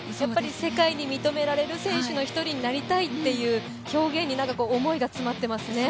世界に求められる選手の一人になりたいという表現に思いが詰まっていますね。